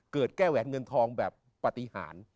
แก้แหวนเงินทองแบบปฏิหาร